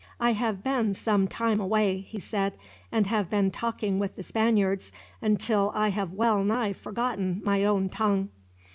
"I have been some time away," he said; "and have been talking with the Spaniards until I have well nigh forgotten my own tongue."